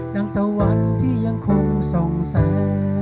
ตั้งแต่วันที่ยังคงสองแสน